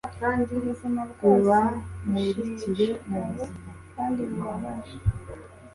Ubuzima bwose bushishikaye kandi bubabaje